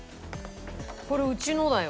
これうちのだよ。